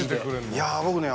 いや僕ね